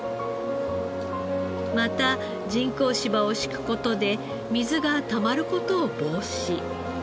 また人工芝を敷く事で水がたまる事を防止。